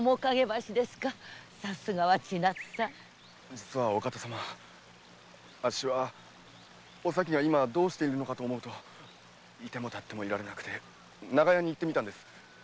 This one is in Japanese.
実はお方様あっしはお咲が今どうしているのかと思うといてもたってもいられなくて長屋に行ってみたんです。